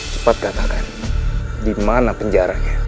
cepat katakan di mana penjaranya